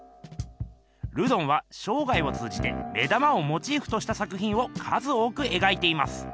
ルドンはしょうがいを通じて目玉をモチーフとした作ひんを数多く描いています。